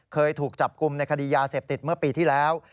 เคยถูกจับกลุ่มในคดียาเสพติดเมื่อปีที่แล้ว